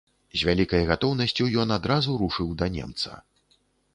З вялікай гатоўнасцю ён адразу рушыў да немца.